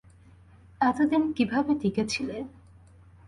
এত দিন কীভাবে টিকে ছিলে?